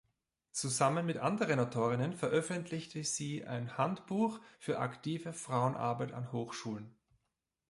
Zusammen mit anderen Autorinnen veröffentlichte sie ein "Handbuch für aktive Frauenarbeit an Hochschulen".